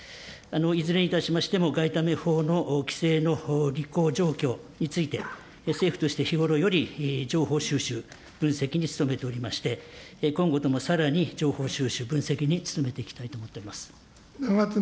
いずれにいたしましても、外為法の規制の履行状況について、政府として日頃より情報収集、分析に努めておりまして、今後ともさらに情報収集、分析に努めていきたいと思っております。